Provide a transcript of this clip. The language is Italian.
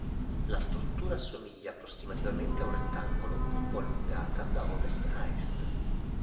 La struttura assomiglia approssimativamente a un rettangolo, un po' allungata da ovest a est.